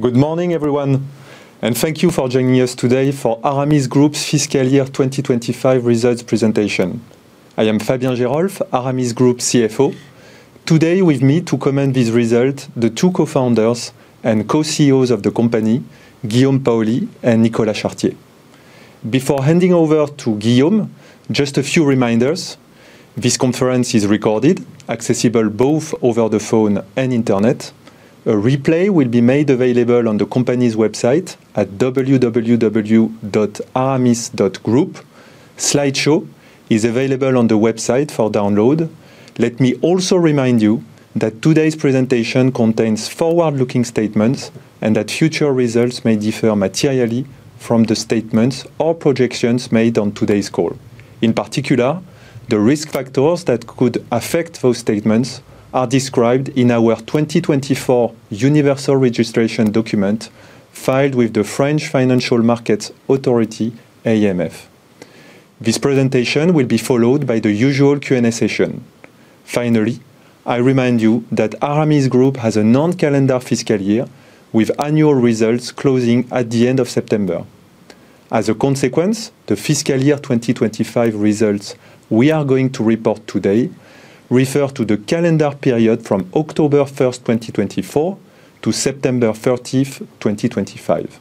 Good morning, everyone, and thank you for joining us today for Aramis Group's Fiscal Year 2025 Results Presentation. I am Fabien Geerolf, Aramis Group CFO. Today, with me to comment on these results, the two co-Founders and co-CEOs of the company, Guillaume Paoli and Nicolas Chartier. Before handing over to Guillaume, just a few reminders: this conference is recorded, accessible both over the phone and internet. A replay will be made available on the company's website at www.aramis.group. Slideshow is available on the website for download. Let me also remind you that today's presentation contains forward-looking statements and that future results may differ materially from the statements or projections made on today's call. In particular, the risk factors that could affect those statements are described in our 2024 Universal Registration document filed with the French Financial Markets Authority, AMF. This presentation will be followed by the usual Q&A session. Finally, I remind you that Aramis Group has a non-calendar fiscal year, with annual results closing at the end of September. As a consequence, the fiscal year 2025 results we are going to report today refer to the calendar period from October 1st 2024, to September 30th 2025.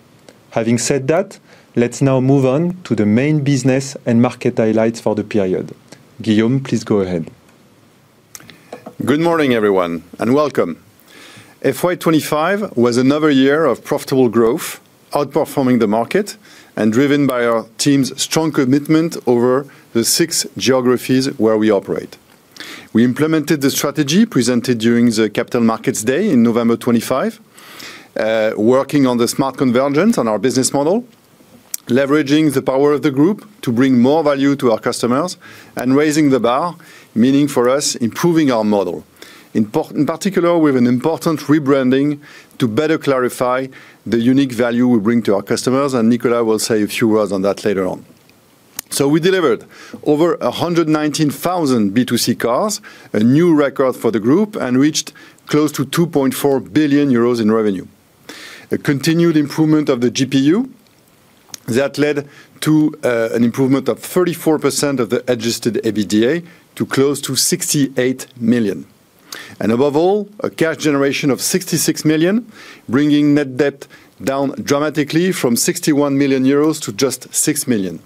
Having said that, let's now move on to the main business and market highlights for the period. Guillaume, please go ahead. Good morning, everyone, and welcome. FY 2025 was another year of profitable growth, outperforming the market and driven by our team's strong commitment over the six geographies where we operate. We implemented the strategy presented during the Capital Markets Day in November 2025, working on the smart convergence on our business model, leveraging the power of the group to bring more value to our customers and raising the bar, meaning for us improving our model, in particular with an important rebranding to better clarify the unique value we bring to our customers. Nicolas will say a few words on that later on. We delivered over 119,000 B2C cars, a new record for the group, and reached close to 2.4 billion euros in revenue. A continued improvement of the GPU that led to an improvement of 34% of the adjusted EBITDA to close to 68 million. Above all, a cash generation of 66 million, bringing net debt down dramatically from 61 million euros to just 6 million.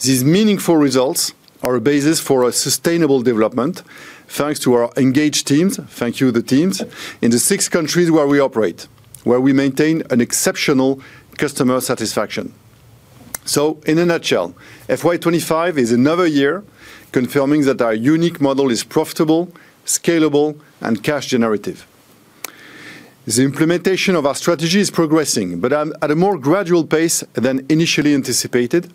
These meaningful results are a basis for our sustainable development thanks to our engaged teams—thank you, the teams—in the six countries where we operate, where we maintain an exceptional customer satisfaction. In a nutshell, FY 2025 is another year confirming that our unique model is profitable, scalable, and cash-generative. The implementation of our strategy is progressing, but at a more gradual pace than initially anticipated,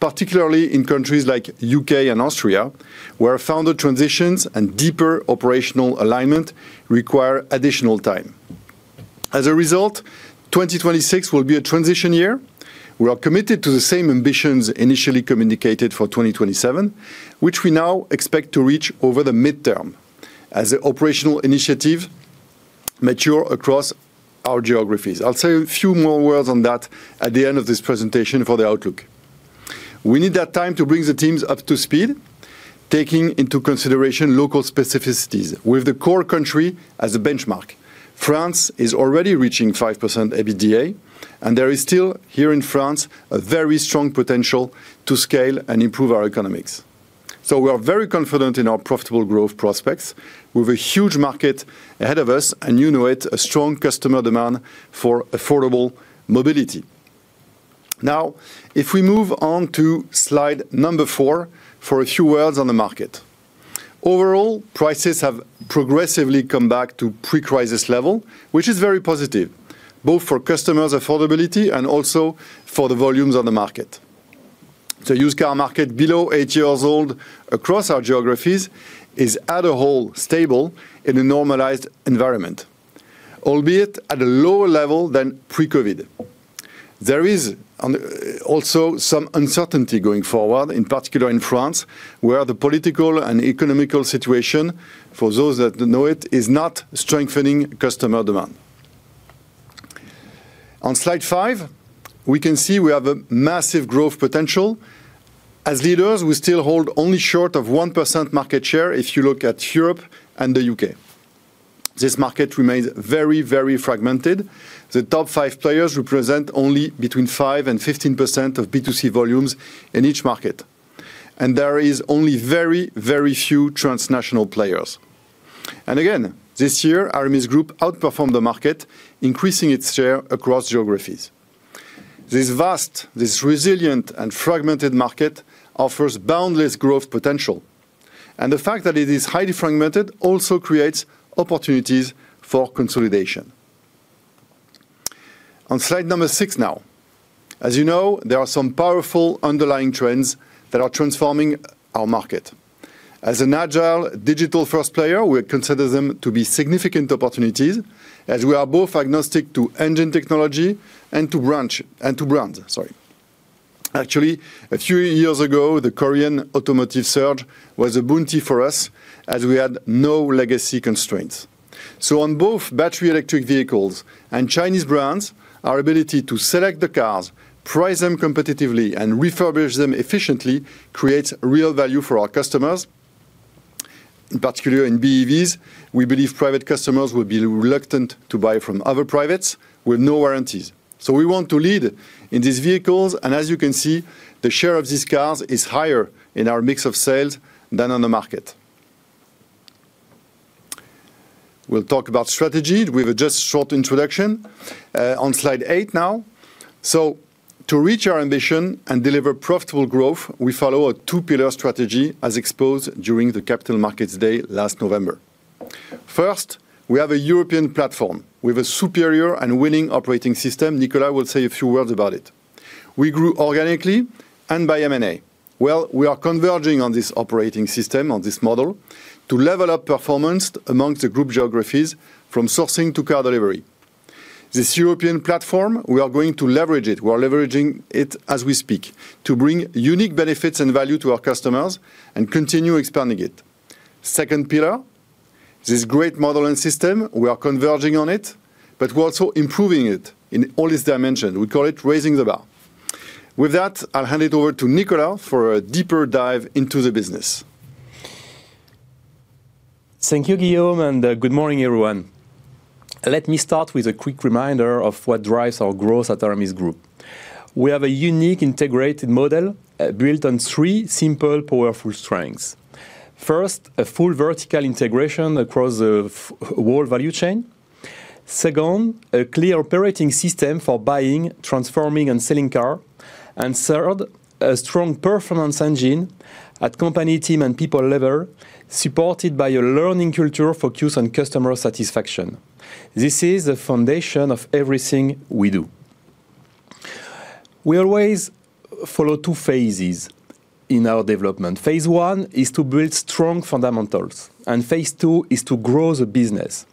particularly in countries like the U.K. and Austria, where founder transitions and deeper operational alignment require additional time. As a result, 2026 will be a transition year. We are committed to the same ambitions initially communicated for 2027, which we now expect to reach over the midterm as the operational initiatives mature across our geographies. I'll say a few more words on that at the end of this presentation for the outlook. We need that time to bring the teams up to speed, taking into consideration local specificities with the core country as a benchmark. France is already reaching 5% EBITDA, and there is still here in France a very strong potential to scale and improve our economics. We are very confident in our profitable growth prospects with a huge market ahead of us, and you know it, a strong customer demand for affordable mobility. Now, if we move on to slide number four for a few words on the market. Overall, prices have progressively come back to pre-crisis level, which is very positive, both for customers' affordability and also for the volumes on the market. The used car market, below eight years old across our geographies, is, as a whole, stable in a normalized environment, albeit at a lower level than pre-COVID. There is also some uncertainty going forward, in particular in France, where the political and economical situation, for those that know it, is not strengthening customer demand. On slide five, we can see we have a massive growth potential. As leaders, we still hold only short of 1% market share if you look at Europe and the U.K. This market remains very, very fragmented. The top five players represent only between 5% and 15% of B2C volumes in each market, and there are only very, very few transnational players. This year, Aramis Group outperformed the market, increasing its share across geographies. This vast, this resilient and fragmented market offers boundless growth potential, and the fact that it is highly fragmented also creates opportunities for consolidation. On slide number six now, as you know, there are some powerful underlying trends that are transforming our market. As an agile digital first player, we consider them to be significant opportunities, as we are both agnostic to engine technology and to brands. Actually, a few years ago, the Korean automotive surge was a bounty for us, as we had no legacy constraints. On both battery electric vehicles and Chinese brands, our ability to select the cars, price them competitively, and refurbish them efficiently creates real value for our customers. In particular, in BEVs, we believe private customers will be reluctant to buy from other privates with no warranties. We want to lead in these vehicles, and as you can see, the share of these cars is higher in our mix of sales than on the market. We'll talk about strategy with a just short introduction on slide eight now. To reach our ambition and deliver profitable growth, we follow a two-pillar strategy, as exposed during the Capital Markets Day last November. First, we have a European platform with a superior and winning operating system. Nicolas will say a few words about it. We grew organically and by M&A. We are converging on this operating system, on this model, to level up performance amongst the group geographies, from sourcing to car delivery. This European platform, we are going to leverage it. We are leveraging it as we speak to bring unique benefits and value to our customers and continue expanding it. Second pillar, this great model and system, we are converging on it, but we're also improving it in all its dimensions. We call it raising the bar. With that, I'll hand it over to Nicolas for a deeper dive into the business. Thank you, Guillaume, and good morning, everyone. Let me start with a quick reminder of what drives our growth at Aramis Group. We have a unique integrated model built on three simple, powerful strengths. First, a full vertical integration across the whole value chain. Second, a clear operating system for buying, transforming, and selling cars. Third, a strong performance engine at company, team, and people level, supported by a learning culture focused on customer satisfaction. This is the foundation of everything we do. We always follow two phases in our development. Phase one is to build strong fundamentals, and phase II is to grow the business.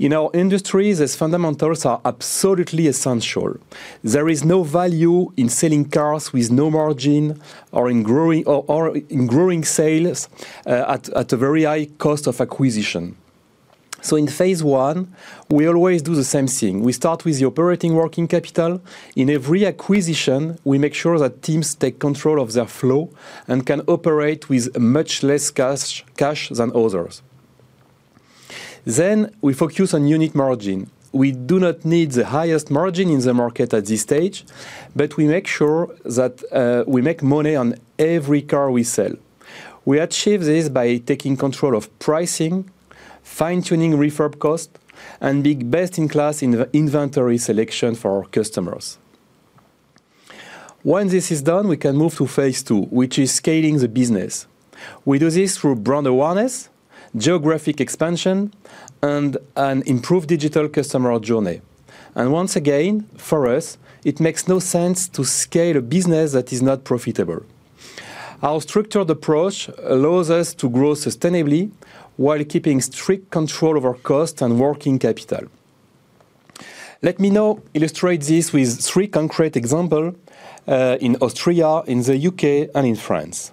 In our industries, fundamentals are absolutely essential. There is no value in selling cars with no margin or in growing sales at a very high cost of acquisition. In phase I, we always do the same thing. We start with the operating working capital. In every acquisition, we make sure that teams take control of their flow and can operate with much less cash than others. Then we focus on unit margin. We do not need the highest margin in the market at this stage, but we make sure that we make money on every car we sell. We achieve this by taking control of pricing, fine-tuning refurb costs, and being best in class in the inventory selection for our customers. When this is done, we can move to phase II, which is scaling the business. We do this through brand awareness, geographic expansion, and an improved digital customer journey. For us, it makes no sense to scale a business that is not profitable. Our structured approach allows us to grow sustainably while keeping strict control over cost and working capital. Let me now illustrate this with three concrete examples in Austria, in the U.K., and in France.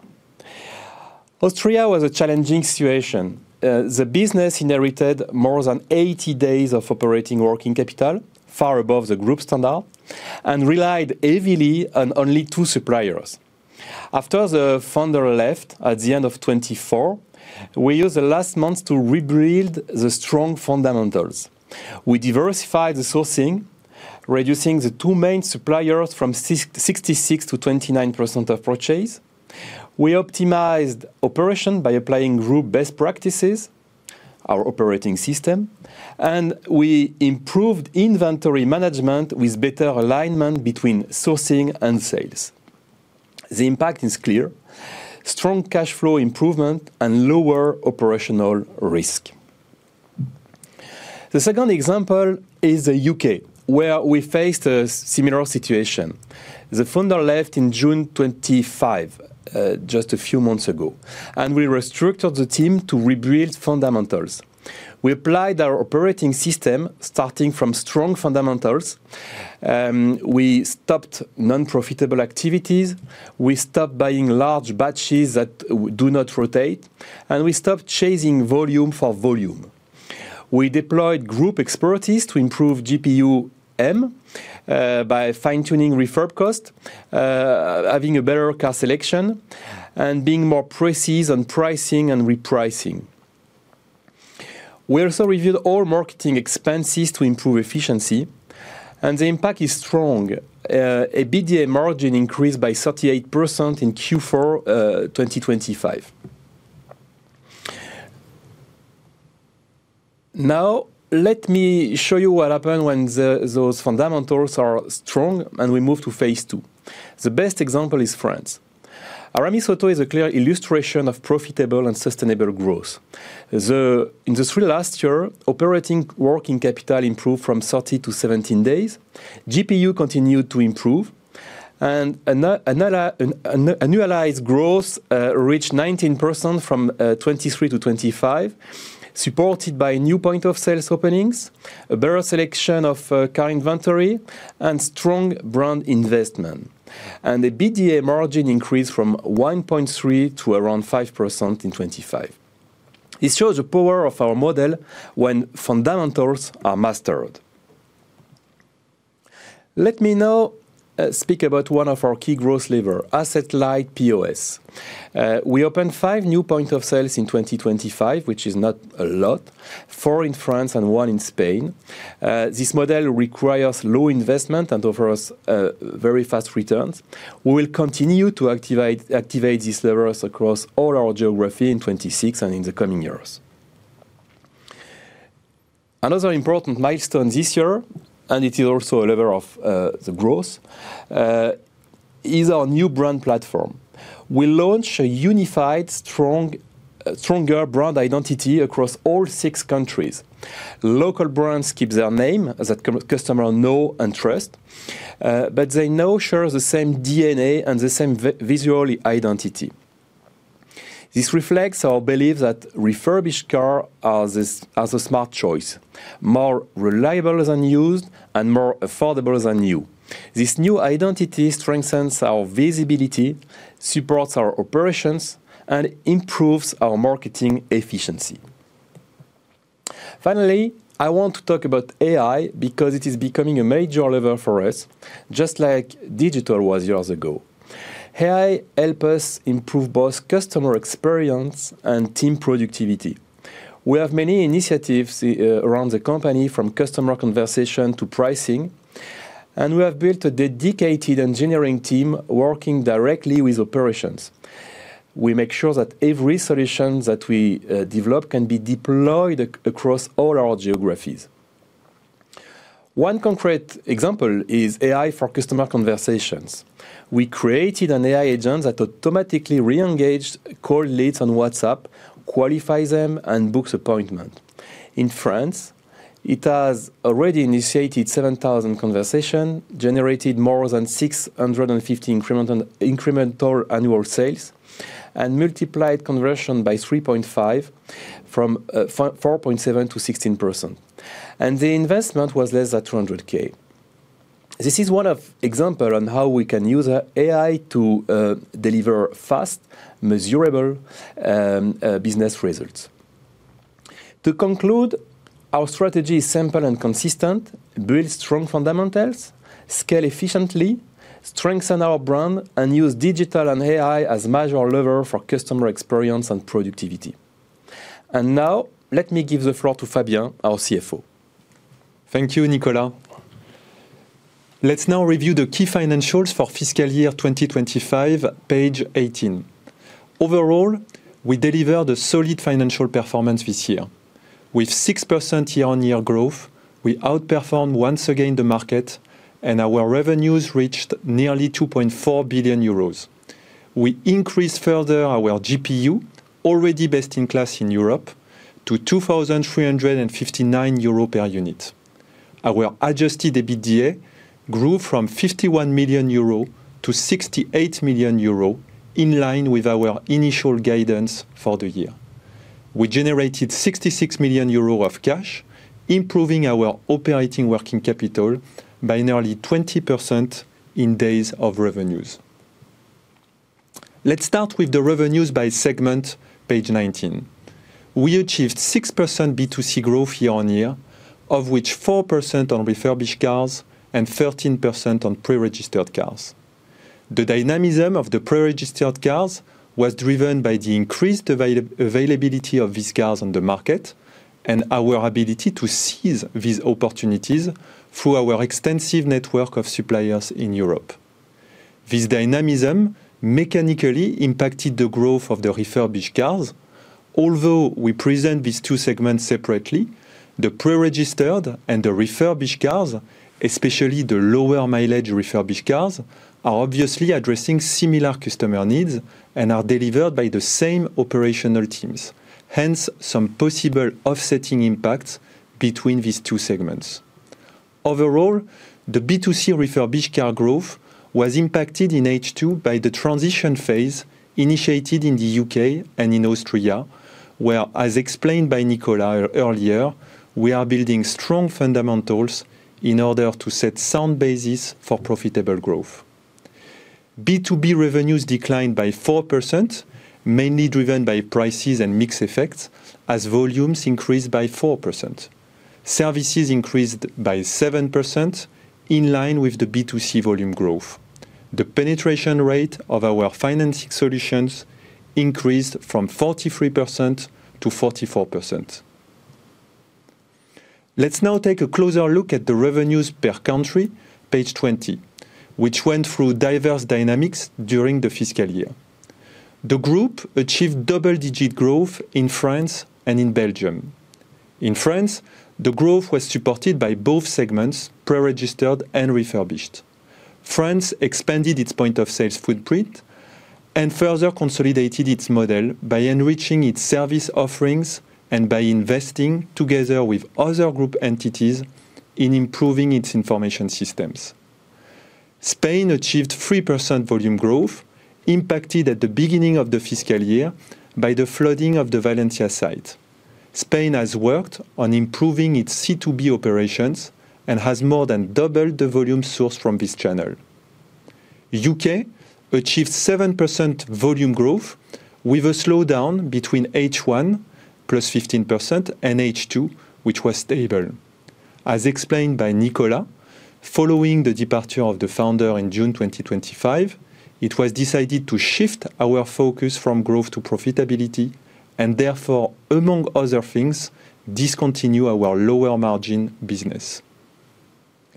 Austria was a challenging situation. The business inherited more than 80 days of operating working capital, far above the group standard, and relied heavily on only two suppliers. After the founder left at the end of 2024, we used the last months to rebuild the strong fundamentals. We diversified the sourcing, reducing the two main suppliers from 66% to 29% of purchase. We optimized operations by applying group best practices, our operating system, and we improved inventory management with better alignment between sourcing and sales. The impact is clear: strong cash flow improvement and lower operational risk. The second example is the U.K., where we faced a similar situation. The founder left in June 2025, just a few months ago, and we restructured the team to rebuild fundamentals. We applied our operating system starting from strong fundamentals. We stopped non-profitable activities. We stopped buying large batches that do not rotate, and we stopped chasing volume for volume. We deployed group expertise to improve GPU by fine-tuning refurb costs, having a better car selection, and being more precise on pricing and repricing. We also reviewed all marketing expenses to improve efficiency, and the impact is strong. EBITDA margin increased by 38% in Q4 2025. Now, let me show you what happened when those fundamentals are strong, and we move to phase II. The best example is France. Aramisauto is a clear illustration of profitable and sustainable growth. In the last year, operating working capital improved from 30 to 17 days. GPU continued to improve, and new allies growth reached 19% from 23 to 25, supported by new point of sales openings, a better selection of car inventory, and strong brand investment. EBITDA margin increased from 1.3% to around 5% in 2025. It shows the power of our model when fundamentals are mastered. Let me now speak about one of our key growth levers, asset-light POS. We opened five new points of sales in 2025, which is not a lot, four in France and one in Spain. This model requires low investment and offers very fast returns. We will continue to activate these levers across all our geographies in 2026 and in the coming years. Another important milestone this year, and it is also a lever of the growth, is our new brand platform. We launched a unified, stronger brand identity across all six countries. Local brands keep their name that customers know and trust, but they now share the same DNA and the same visual identity. This reflects our belief that refurbished cars are a smart choice, more reliable than used and more affordable than new. This new identity strengthens our visibility, supports our operations, and improves our marketing efficiency. Finally, I want to talk about AI because it is becoming a major lever for us, just like digital was years ago. AI helps us improve both customer experience and team productivity. We have many initiatives around the company, from customer conversation to pricing, and we have built a dedicated engineering team working directly with operations. We make sure that every solution that we develop can be deployed across all our geographies. One concrete example is AI for customer conversations. We created an AI agent that automatically re-engages call leads on WhatsApp, qualifies them, and books appointments. In France, it has already initiated 7,000 conversations, generated more than 650 incremental annual sales, and multiplied conversion by 3.5%, from 4.7% to 16%. The investment was less than 200,000. This is one example of how we can use AI to deliver fast, measurable business results. To conclude, our strategy is simple and consistent: build strong fundamentals, scale efficiently, strengthen our brand, and use digital and AI as major levers for customer experience and productivity. Now, let me give the floor to Fabien, our CFO. Thank you, Nicolas. Let's now review the key financials for fiscal year 2025, page 18. Overall, we delivered a solid financial performance this year. With 6% year-on-year growth, we outperformed once again the market, and our revenues reached nearly 2.4 billion euros. We increased further our GPU, already best in class in Europe, to 2,359 euros per unit. Our adjusted EBITDA grew from 51 million euros to 68 million euros, in line with our initial guidance for the year. We generated 66 million euros of cash, improving our operating working capital by nearly 20% in days of revenues. Let's start with the revenues by segment, page 19. We achieved 6% B2C growth year-on-year, of which 4% on refurbished cars and 13% on pre-registered cars. The dynamism of the pre-registered cars was driven by the increased availability of these cars on the market and our ability to seize these opportunities through our extensive network of suppliers in Europe. This dynamism mechanically impacted the growth of the refurbished cars. Although we present these two segments separately, the pre-registered and the refurbished cars, especially the lower-mileage refurbished cars, are obviously addressing similar customer needs and are delivered by the same operational teams. Hence, some possible offsetting impacts between these two segments. Overall, the B2C refurbished car growth was impacted in H2 by the transition phase initiated in the U.K. and in Austria, where, as explained by Nicolas earlier, we are building strong fundamentals in order to set sound bases for profitable growth. B2B revenues declined by 4%, mainly driven by prices and mixed effects as volumes increased by 4%. Services increased by 7% in line with the B2C volume growth. The penetration rate of our financing solutions increased from 43% to 44%. Let's now take a closer look at the revenues per country, page 20, which went through diverse dynamics during the fiscal year. The group achieved double-digit growth in France and in Belgium. In France, the growth was supported by both segments, pre-registered and refurbished. France expanded its point of sales footprint and further consolidated its model by enriching its service offerings and by investing together with other group entities in improving its information systems. Spain achieved 3% volume growth, impacted at the beginning of the fiscal year by the flooding of the Valencia site. Spain has worked on improving its C2B operations and has more than doubled the volume sourced from this channel. U.K. achieved 7% volume growth with a slowdown between H1, +15%, and H2, which was stable. As explained by Nicolas, following the departure of the founder in June 2025, it was decided to shift our focus from growth to profitability and therefore, among other things, discontinue our lower-margin business.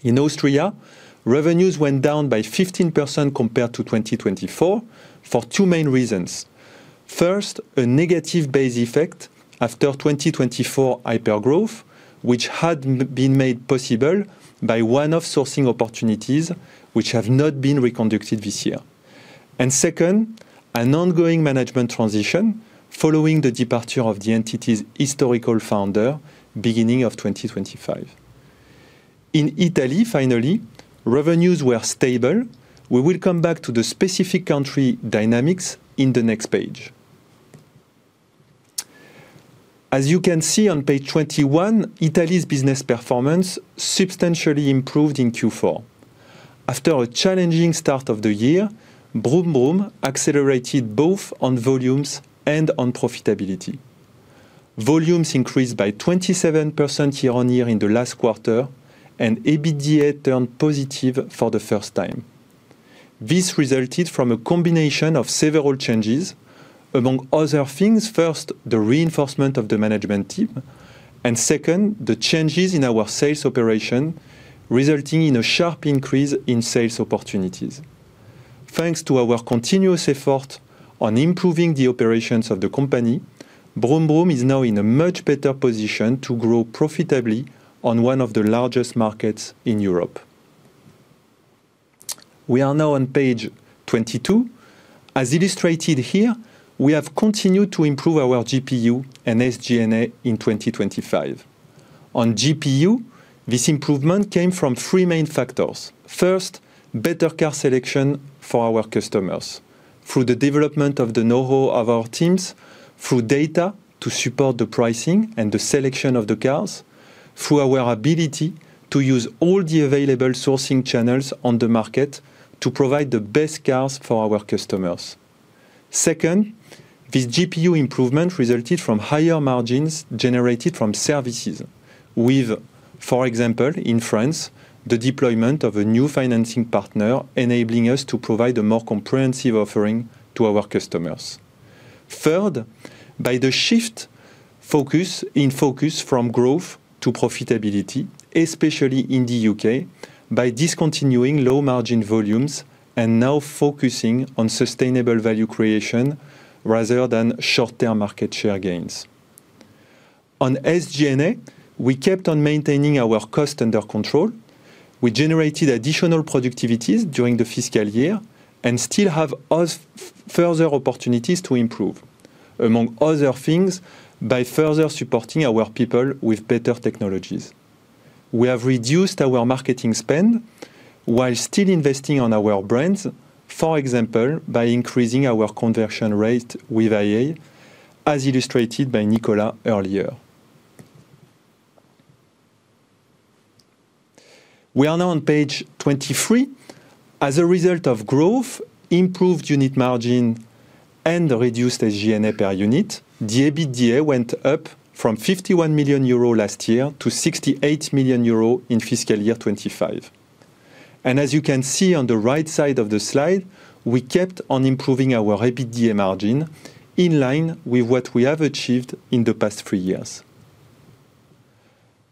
In Austria, revenues went down by 15% compared to 2024 for two main reasons. First, a negative base effect after 2024 hypergrowth, which had been made possible by one-off sourcing opportunities which have not been reconducted this year. Second, an ongoing management transition following the departure of the entity's historical founder beginning of 2025. In Italy, finally, revenues were stable. We will come back to the specific country dynamics in the next page. As you can see on page 21, Italy's business performance substantially improved in Q4. After a challenging start of the year, brumbrum accelerated both on volumes and on profitability. Volumes increased by 27% year-on-year in the last quarter, and EBITDA turned positive for the first time. This resulted from a combination of several changes, among other things, first, the reinforcement of the management team, and second, the changes in our sales operation, resulting in a sharp increase in sales opportunities. Thanks to our continuous effort on improving the operations of the company, brumbrum is now in a much better position to grow profitably on one of the largest markets in Europe. We are now on page 22. As illustrated here, we have continued to improve our GPU and SG&A in 2025. On GPU, this improvement came from three main factors. First, better car selection for our customers through the development of the know-how of our teams, through data to support the pricing and the selection of the cars, through our ability to use all the available sourcing channels on the market to provide the best cars for our customers. Second, this GPU improvement resulted from higher margins generated from services, with, for example, in France, the deployment of a new financing partner enabling us to provide a more comprehensive offering to our customers. Third, by the shift in focus from growth to profitability, especially in the U.K., by discontinuing low-margin volumes and now focusing on sustainable value creation rather than short-term market share gains. On SG&A, we kept on maintaining our cost under control. We generated additional productivities during the fiscal year and still have further opportunities to improve, among other things, by further supporting our people with better technologies. We have reduced our marketing spend while still investing in our brands, for example, by increasing our conversion rate with AI, as illustrated by Nicolas earlier. We are now on page 23. As a result of growth, improved unit margin, and reduced SG&A per unit, the EBITDA went up from EUR 51 million last year to EUR 68 million in fiscal year 2025. As you can see on the right side of the slide, we kept on improving our EBITDA margin in line with what we have achieved in the past three years.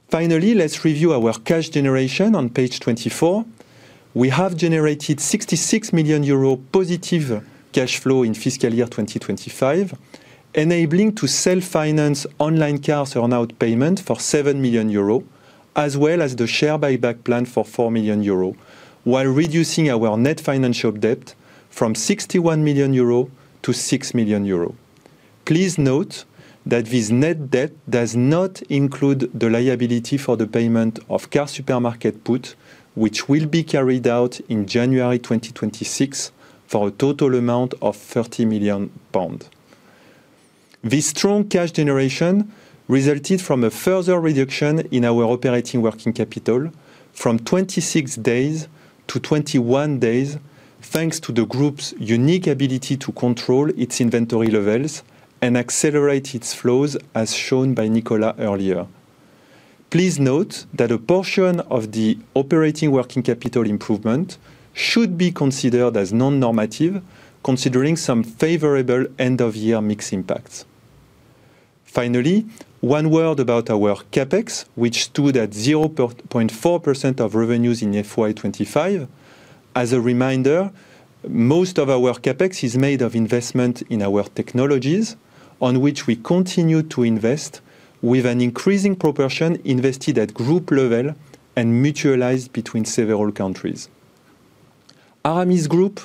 Finally, let's review our cash generation on page 24. We have generated 66 million euro positive cash flow in fiscal year 2025, enabling us to self-finance Onlinecars' earn-out payment for 7 million euro, as well as the share buyback plan for 4 million euro, while reducing our net financial debt from 61 million euro to 6 million euro. Please note that this net debt does not include the liability for the payment of CarSupermarket put, which will be carried out in January 2026 for a total amount of 30 million pounds. This strong cash generation resulted from a further reduction in our operating working capital from 26 days to 21 days, thanks to the group's unique ability to control its inventory levels and accelerate its flows, as shown by Nicolas earlier. Please note that a portion of the operating working capital improvement should be considered as non-normative, considering some favorable end-of-year mix impacts. Finally, one word about our CapEx, which stood at 0.4% of revenues in fiscal year 2025. As a reminder, most of our CapEx is made of investment in our technologies, on which we continue to invest, with an increasing proportion invested at group level and mutualized between several countries. Aramis Group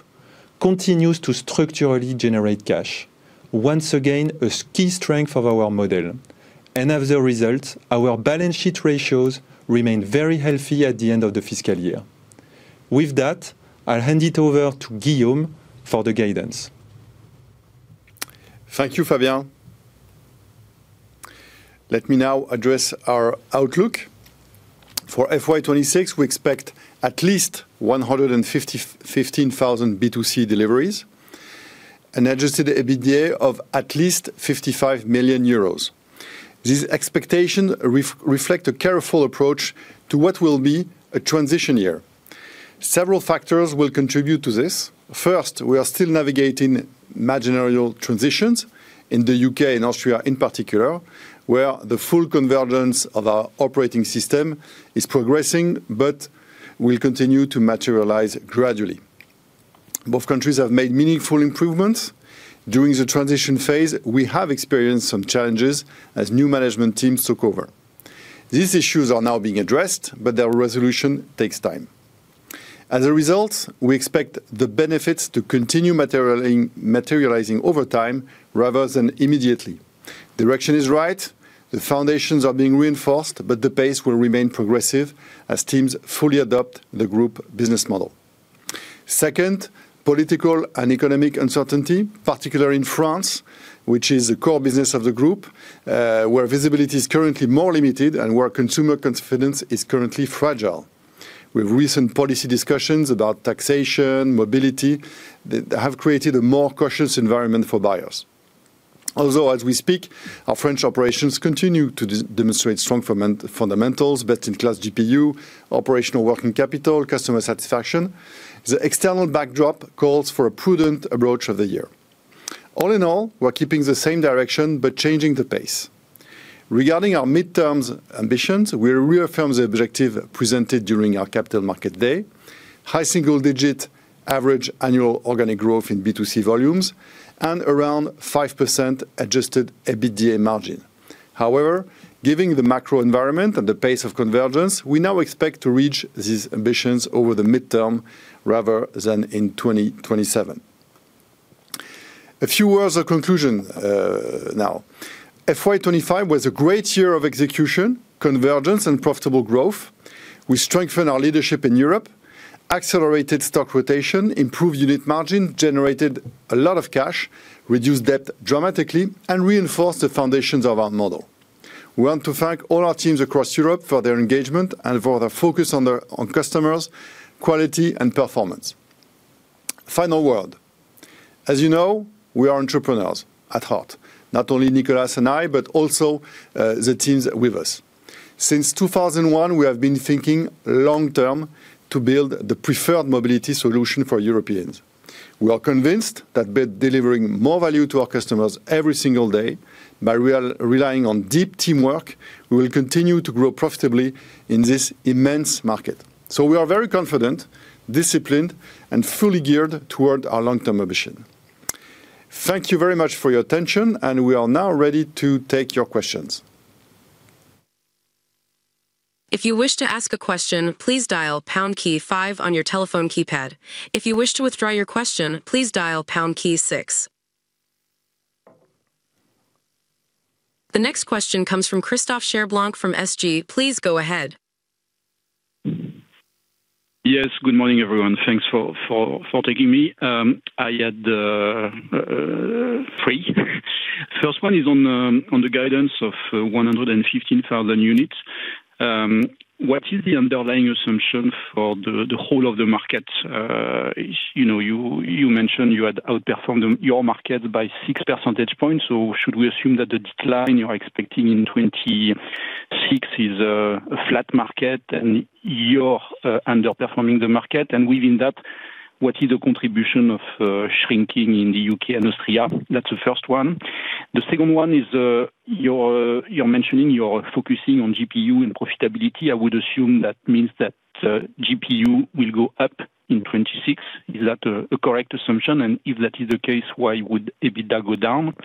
continues to structurally generate cash, once again a key strength of our model. As a result, our balance sheet ratios remain very healthy at the end of the fiscal year. With that, I'll hand it over to Guillaume for the guidance. Thank you, Fabien. Let me now address our outlook. For FY 2026, we expect at least 115,000 B2C deliveries and adjusted EBITDA of at least 55 million euros. These expectations reflect a careful approach to what will be a transition year. Several factors will contribute to this. First, we are still navigating marginal transitions in the U.K. and Austria, in particular, where the full convergence of our operating system is progressing, but will continue to materialize gradually. Both countries have made meaningful improvements. During the transition phase, we have experienced some challenges as new management teams took over. These issues are now being addressed, but their resolution takes time. As a result, we expect the benefits to continue materializing over time rather than immediately. The direction is right. The foundations are being reinforced, but the pace will remain progressive as teams fully adopt the group business model. Second, political and economic uncertainty, particularly in France, which is the core business of the group, where visibility is currently more limited and where consumer confidence is currently fragile. With recent policy discussions about taxation and mobility that have created a more cautious environment for buyers. Although, as we speak, our French operations continue to demonstrate strong fundamentals, best-in-class GPU, operational working capital, and customer satisfaction, the external backdrop calls for a prudent approach of the year. All in all, we're keeping the same direction but changing the pace. Regarding our midterms ambitions, we reaffirm the objective presented during our capital market day: high single-digit average annual organic growth in B2C volumes and around 5% adjusted EBITDA margin. However, given the macro environment and the pace of convergence, we now expect to reach these ambitions over the midterm rather than in 2027. A few words of conclusion now. FY 2025 was a great year of execution, convergence, and profitable growth. We strengthened our leadership in Europe, accelerated stock rotation, improved unit margin, generated a lot of cash, reduced debt dramatically, and reinforced the foundations of our model. We want to thank all our teams across Europe for their engagement and for their focus on customers, quality, and performance. Final word. As you know, we are entrepreneurs at heart, not only Nicolas and I, but also the teams with us. Since 2001, we have been thinking long-term to build the preferred mobility solution for Europeans. We are convinced that by delivering more value to our customers every single day, by relying on deep teamwork, we will continue to grow profitably in this immense market. We are very confident, disciplined, and fully geared toward our long-term ambition. Thank you very much for your attention, and we are now ready to take your questions. If you wish to ask a question, please dial pound key five on your telephone keypad. If you wish to withdraw your question, please dial pound key six. The next question comes from Christophe Cherblanc from SG. Please go ahead. Yes, good morning, everyone. Thanks for taking me. I had three. The first one is on the guidance of 115,000 units. What is the underlying assumption for the whole of the market? You mentioned you had outperformed your market by 6 percentage points. Should we assume that the decline you're expecting in 2026 is a flat market and you're underperforming the market? Within that, what is the contribution of shrinking in the U.K. and Austria? That's the first one. The second one is you're mentioning you're focusing on GPU and profitability. I would assume that means that GPU will go up in 2026. Is that a correct assumption? If that is the case, why would EBITDA go down?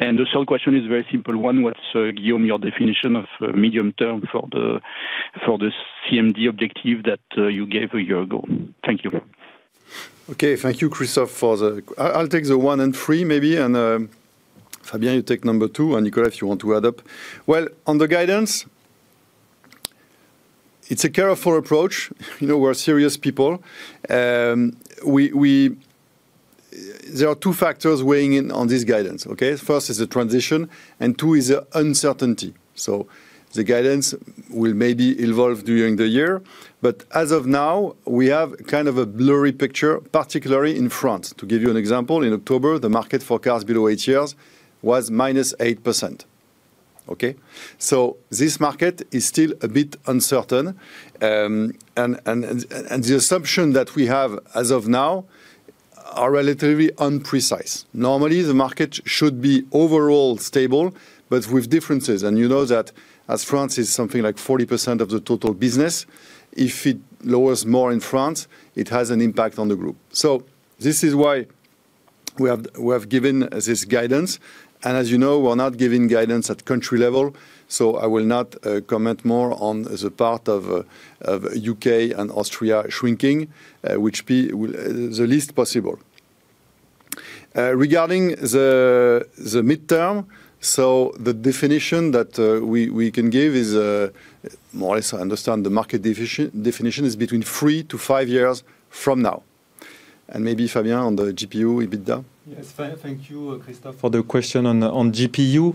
The third question is a very simple one. What's, Guillaume, your definition of medium term for the CMD objective that you gave a year ago? Thank you. Okay, thank you, Christophe, for the... I'll take the one and three maybe. Fabien, you take number two. Nicolas, if you want to add up. On the guidance, it's a careful approach. We're serious people. There are two factors weighing in on this guidance. First is the transition, and two is the uncertainty. The guidance will maybe evolve during the year. As of now, we have kind of a blurry picture, particularly in France. To give you an example, in October, the market forecast below eight years was -8%. This market is still a bit uncertain. The assumption that we have as of now are relatively unprecise. Normally, the market should be overall stable, but with differences. You know that as France is something like 40% of the total business, if it lowers more in France, it has an impact on the group. This is why we have given this guidance. As you know, we're not giving guidance at country level. I will not comment more on the part of U.K. and Austria shrinking, which will be the least possible. Regarding the midterm, the definition that we can give is, more or less, I understand the market definition is between three to five years from now. Maybe Fabien, on the GPU, EBITDA? Yes, thank you, Christophe, for the question on GPU.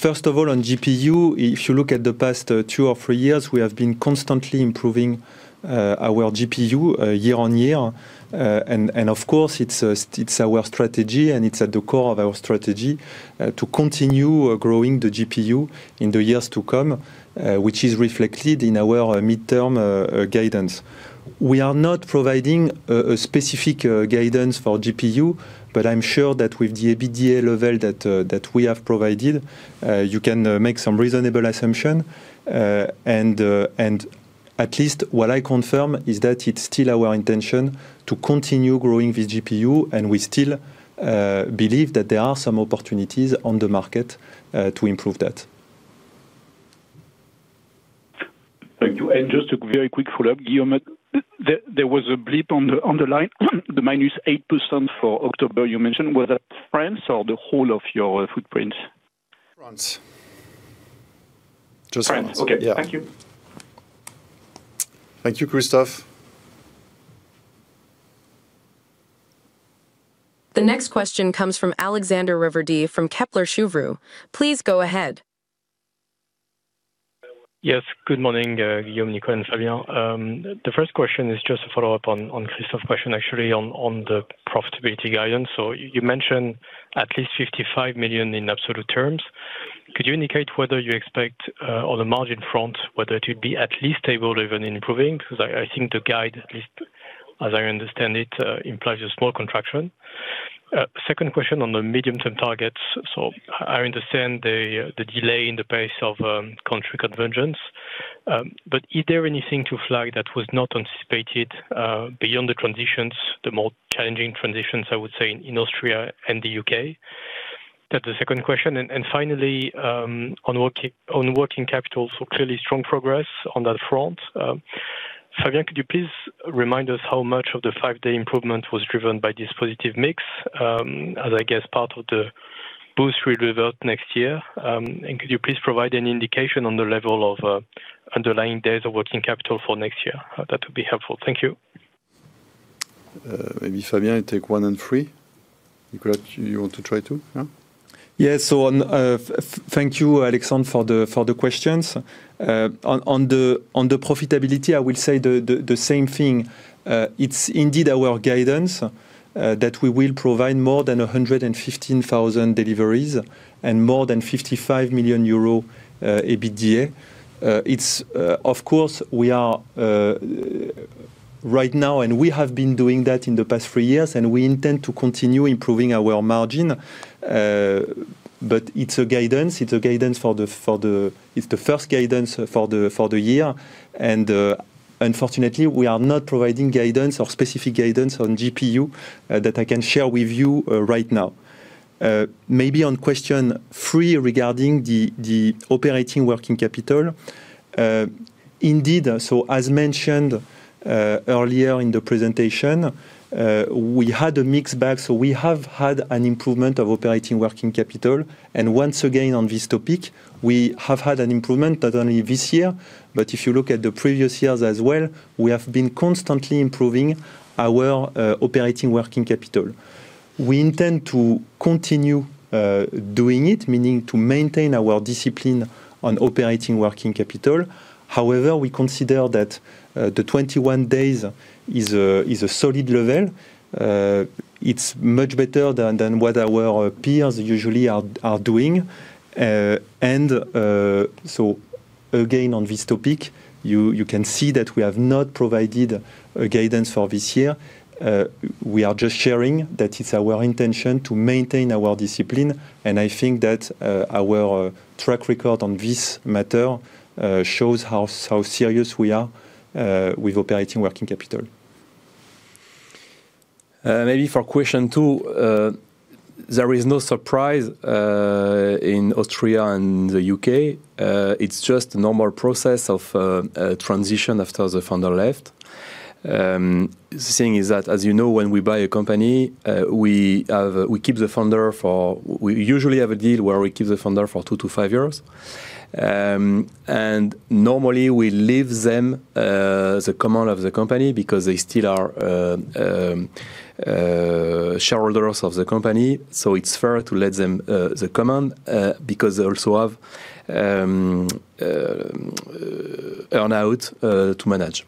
First of all, on GPU, if you look at the past two or three years, we have been constantly improving our GPU year on year. Of course, it is our strategy, and it is at the core of our strategy to continue growing the GPU in the years to come, which is reflected in our midterm guidance. We are not providing a specific guidance for GPU, but I am sure that with the EBITDA level that we have provided, you can make some reasonable assumption. At least what I confirm is that it's still our intention to continue growing this GPU, and we still believe that there are some opportunities on the market to improve that. Thank you. Just a very quick follow-up, Guillaume, there was a blip on the line. The -8% for October you mentioned, was that France or the whole of your footprint? France. Just France. Okay, thank you. Thank you, Christophe. The next question comes from Alexandre Raverdy from Kepler Cheuvreux. Please go ahead. Yes, good morning, Guillaume, Nicolas, and Fabien. The first question is just a follow-up on Christophe's question, actually, on the profitability guidance. You mentioned at least 55 million in absolute terms. Could you indicate whether you expect, on the margin front, whether it would be at least stable, even improving? Because I think the guide, at least as I understand it, implies a small contraction. Second question on the medium-term targets. I understand the delay in the pace of country convergence. Is there anything to flag that was not anticipated beyond the transitions, the more challenging transitions, I would say, in Austria and the U.K.? That's the second question. Finally, on working capital, clearly strong progress on that front. Fabien, could you please remind us how much of the five-day improvement was driven by this positive mix, as I guess part of the boost we'll develop next year? Could you please provide any indication on the level of underlying days of working capital for next year? That would be helpful. Thank you. Maybe Fabien, you take one and three. Nicolas, do you want to try two? Yeah, thank you, Alexandre, for the questions. On the profitability, I will say the same thing. It's indeed our guidance that we will provide more than 115,000 deliveries and more than 55 million euro EBITDA. Of course, we are right now, and we have been doing that in the past three years, and we intend to continue improving our margin. But it's a guidance. It's a guidance for the... It's the first guidance for the year. Unfortunately, we are not providing guidance or specific guidance on GPU that I can share with you right now. Maybe on question three regarding the operating working capital. Indeed, as mentioned earlier in the presentation, we had a mixed bag. We have had an improvement of operating working capital. Once again, on this topic, we have had an improvement not only this year, but if you look at the previous years as well, we have been constantly improving our operating working capital. We intend to continue doing it, meaning to maintain our discipline on operating working capital. However, we consider that the 21 days is a solid level. It's much better than what our peers usually are doing. Again, on this topic, you can see that we have not provided a guidance for this year. We are just sharing that it's our intention to maintain our discipline. I think that our track record on this matter shows how serious we are with operating working capital. Maybe for question two, there is no surprise in Austria and the U.K. It's just a normal process of transition after the founder left. The thing is that, as you know, when we buy a company, we keep the founder for... We usually have a deal where we keep the founder for two to five years. Normally, we leave them the command of the company because they still are shareholders of the company. It is fair to let them the command because they also have earn-out to manage.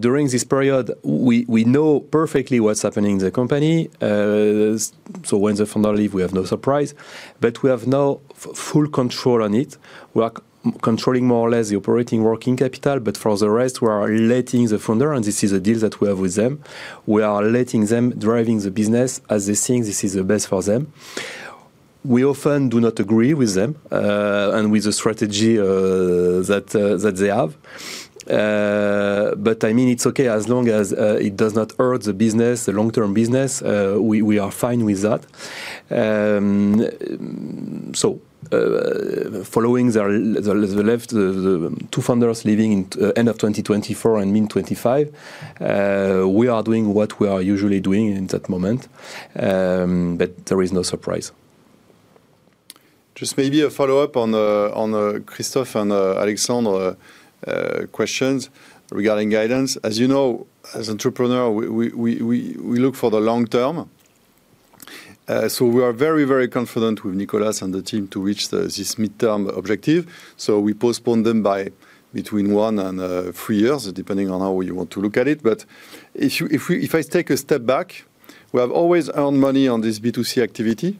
During this period, we know perfectly what's happening in the company. When the founder leaves, we have no surprise. We have no full control on it. We are controlling more or less the operating working capital. For the rest, we are letting the founder, and this is a deal that we have with them, we are letting them driving the business as they think this is the best for them. We often do not agree with them and with the strategy that they have. I mean, it's okay as long as it does not hurt the business, the long-term business, we are fine with that. Following the left, the two founders leaving in the end of 2024 and mid-2025, we are doing what we are usually doing in that moment. There is no surprise. Just maybe a follow-up on Christophe and Alexandre's questions regarding guidance. As you know, as entrepreneurs, we look for the long term. We are very, very confident with Nicolas and the team to reach this midterm objective. We postpone them by between one and three years, depending on how you want to look at it. If I take a step back, we have always earned money on this B2C activity,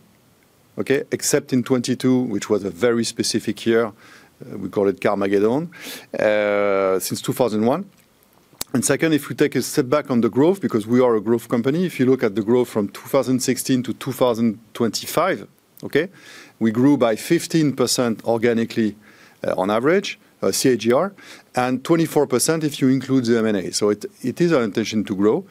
except in 2022, which was a very specific year. We called it Carmageddon since 2001. If we take a step back on the growth, because we are a growth company, if you look at the growth from 2016 to 2025, we grew by 15% organically on average, CAGR, and 24% if you include the M&A. It is our intention to grow.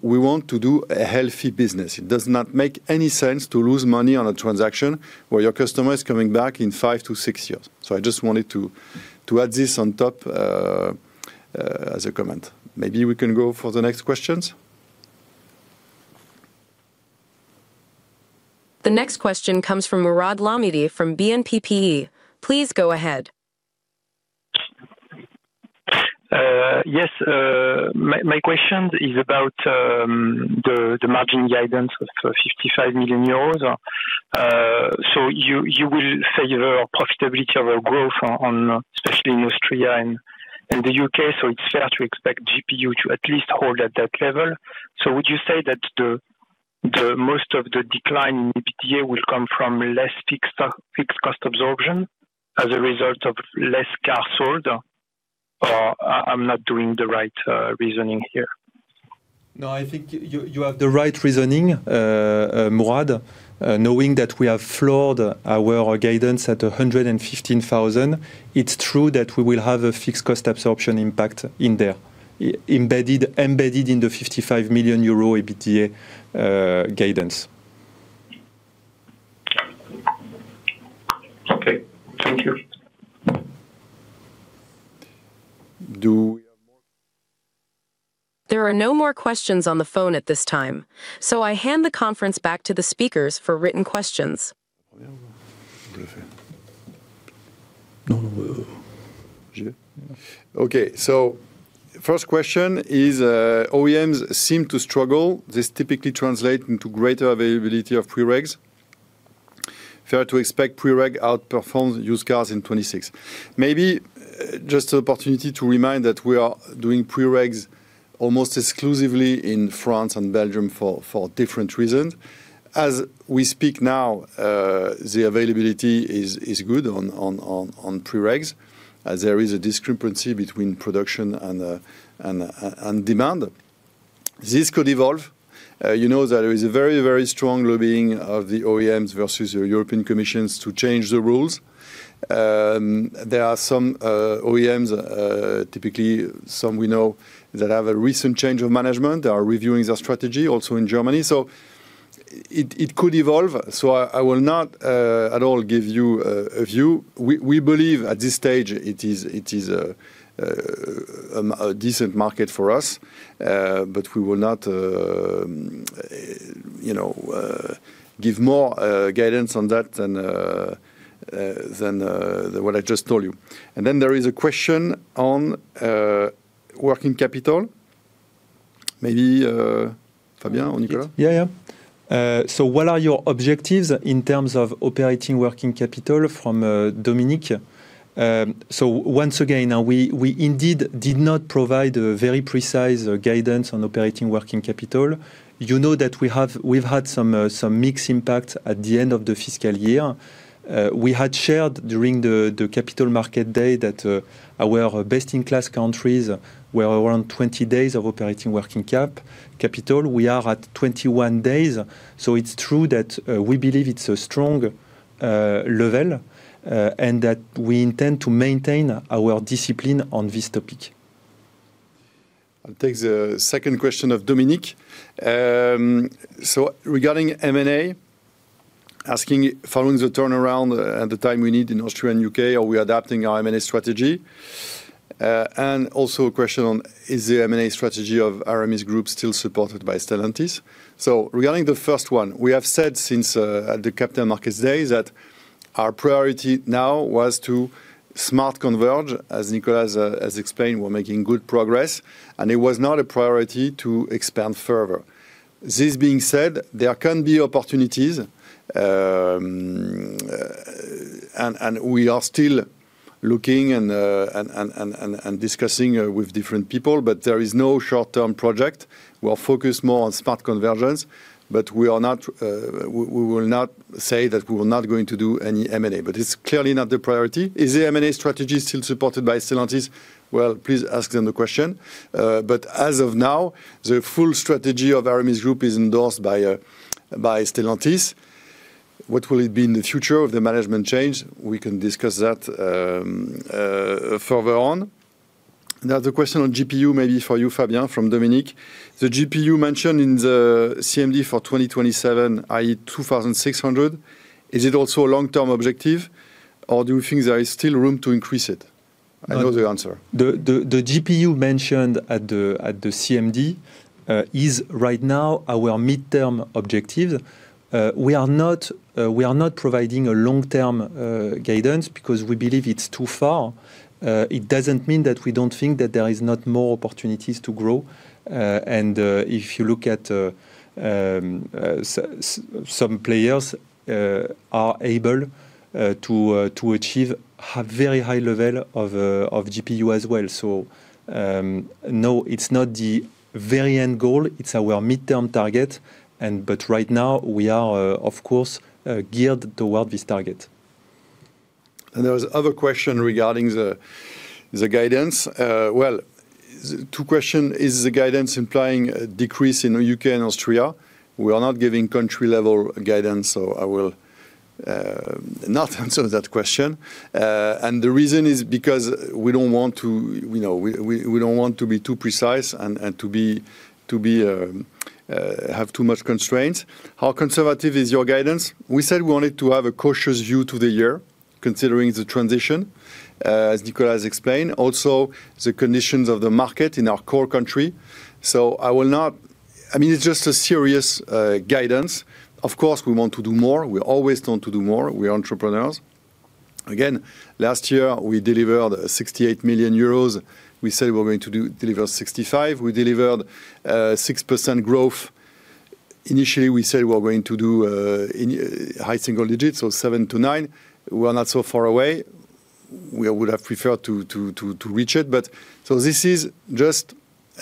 We want to do a healthy business. It does not make any sense to lose money on a transaction where your customer is coming back in five to six years. I just wanted to add this on top as a comment. Maybe we can go for the next questions. The next question comes from Murad Lamidi from BNP PE. Please go ahead. Yes, my question is about the margin guidance of EUR 55 million. You will favor profitability over growth, especially in Austria and the U.K. It is fair to expect GPU to at least hold at that level. Would you say that most of the decline in EBITDA will come from less fixed cost absorption as a result of fewer cars sold? Or am I not doing the right reasoning here? No, I think you have the right reasoning, Murad. Knowing that we have floored our guidance at 115,000, it is true that we will have a fixed cost absorption impact in there, embedded in the 55 million euro EBITDA guidance. Okay, thank you. There are no more questions on the phone at this time. I hand the conference back to the speakers for written questions. Okay, the first question is OEMs seem to struggle. This typically translates into greater availability of pre-regs. Is it fair to expect pre-reg outperforms used cars in 2026? Maybe just an opportunity to remind that we are doing pre-regs almost exclusively in France and Belgium for different reasons. As we speak now, the availability is good on pre-regs. There is a discrepancy between production and demand. This could evolve. You know that there is a very, very strong lobbying of the OEMs versus the European Commission to change the rules. There are some OEMs, typically some we know, that have a recent change of management. They are reviewing their strategy also in Germany. It could evolve. I will not at all give you a view. We believe at this stage it is a decent market for us, but we will not give more guidance on that than what I just told you. There is a question on working capital. Maybe Fabien, or Nicolas? Yeah, yeah. What are your objectives in terms of operating working capital from Dominique? Once again, we indeed did not provide a very precise guidance on operating working capital. You know that we've had some mixed impact at the end of the fiscal year. We had shared during the Capital Market Day that our best-in-class countries were around 20 days of operating working capital. We are at 21 days. It is true that we believe it is a strong level and that we intend to maintain our discipline on this topic. I'll take the second question of Dominique. Regarding M&A, asking following the turnaround at the time we need in Austria and the U.K., are we adapting our M&A strategy? Also a question on is the M&A strategy of Aramis Group still supported by Stellantis? Regarding the first one, we have said since the Kepler Marquez days that our priority now was to smart converge. As Nicolas has explained, we're making good progress. It was not a priority to expand further. This being said, there can be opportunities. We are still looking and discussing with different people, but there is no short-term project. We're focused more on smart convergence, but we will not say that we're not going to do any M&A. It is clearly not the priority. Is the M&A strategy still supported by Stellantis? Please ask them the question. As of now, the full strategy of Aramis Group is endorsed by Stellantis. What will it be in the future of the management change? We can discuss that further on. Now, the question on GPU, maybe for you, Fabien, from Dominique. The GPU mentioned in the CMD for 2027, i.e., 2,600, is it also a long-term objective? Or do you think there is still room to increase it? I know the answer. The GPU mentioned at the CMD is right now our midterm objective. We are not providing a long-term guidance because we believe it's too far. It doesn't mean that we don't think that there are not more opportunities to grow. If you look at some players who are able to achieve a very high level of GPU as well. No, it's not the very end goal. It's our midterm target. Right now, we are, of course, geared toward this target. There was another question regarding the guidance. Two questions. Is the guidance implying a decrease in the U.K. and Austria? We are not giving country-level guidance, so I will not answer that question. The reason is because we do not want to be too precise and to have too much constraints. How conservative is your guidance? We said we wanted to have a cautious view to the year, considering the transition, as Nicolas has explained. Also, the conditions of the market in our core country. I will not, I mean, it is just a serious guidance. Of course, we want to do more. We always want to do more. We are entrepreneurs. Again, last year, we delivered 68 million euros. We said we were going to deliver 65 million. We delivered 6% growth. Initially, we said we were going to do high single digits, so 7-9%. We are not so far away. We would have preferred to reach it. This is just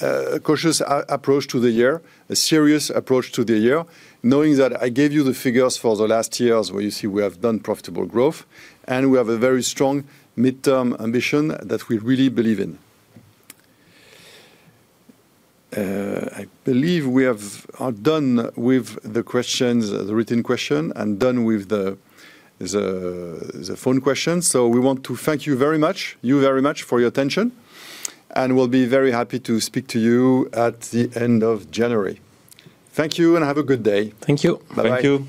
a cautious approach to the year, a serious approach to the year, knowing that I gave you the figures for the last years where you see we have done profitable growth. We have a very strong midterm ambition that we really believe in. I believe we have done with the questions, the written question, and done with the phone questions. We want to thank you very much, you very much, for your attention. We will be very happy to speak to you at the end of January. Thank you and have a good day. Thank you. Bye-bye. Thank you.